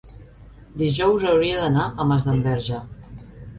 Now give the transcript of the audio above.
dijous hauria d'anar a Masdenverge.